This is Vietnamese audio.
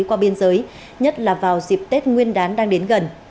qua biên giới nhất là vào dịp tết nguyên đán đang đến gần